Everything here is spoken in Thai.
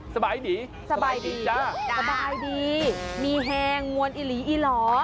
สบายหนีสบายดีจ้ะสบายดีมีแฮงมวลอิหลีอีหล่อ